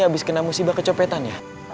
habis kena musibah kecopetan ya